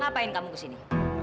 apa yang kamu kesini